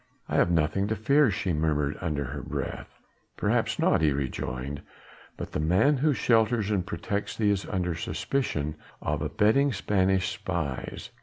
"I have nothing to fear," she murmured under her breath. "Perhaps not," he rejoined, "but the man who shelters and protects thee is under suspicion of abetting Spanish spies.